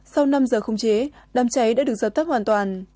sau năm giờ không chế đám cháy đã được dập tắt hoàn toàn